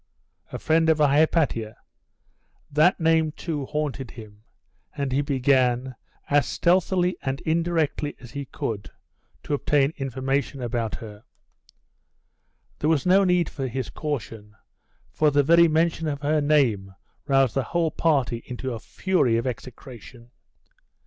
'A friend of Hypatia!' that name, too, haunted him; and he began, as stealthily and indirectly as he could, to obtain information about her. There was no need for his caution; for the very mention of her name roused the whole party into a fury of execration.